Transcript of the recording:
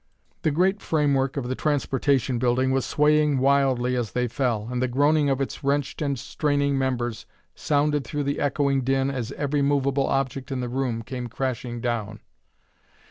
The great framework of the Transportation Building was swaying wildly as they fell, and the groaning of its wrenched and straining members sounded through the echoing din as every movable object in the room came crashing down.